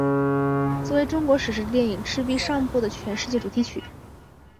作为中国史诗电影赤壁上部的全世界主题曲。